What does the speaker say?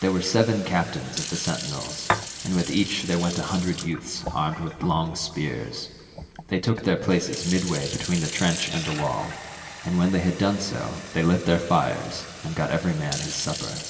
There were seven captains of the sentinels, and with each there went a hundred youths armed with long spears: they took their places midway between the trench and the wall, and when they had done so they lit their fires and got every man his supper.